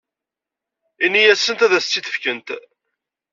Ini-asent ad as-tt-id-fkent.